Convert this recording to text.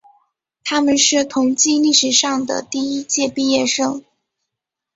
他们是同济历史上的第一届毕业生。